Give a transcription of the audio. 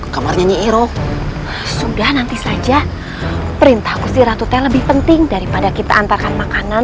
kamarnya nyiro sudah nanti saja perintahku siratu teh lebih penting daripada kita antarkan makanan